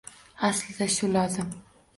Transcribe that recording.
Aslida shu lozim.